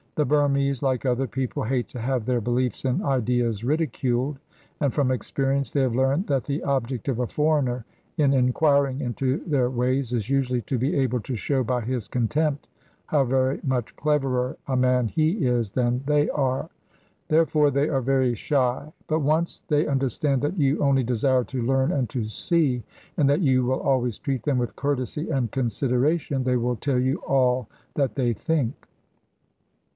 The Burmese, like other people, hate to have their beliefs and ideas ridiculed, and from experience they have learned that the object of a foreigner in inquiring into their ways is usually to be able to show by his contempt how very much cleverer a man he is than they are. Therefore they are very shy. But once they understand that you only desire to learn and to see, and that you will always treat them with courtesy and consideration, they will tell you all that they think.